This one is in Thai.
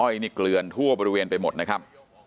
นี่เกลือนทั่วบริเวณไปหมดนะครับ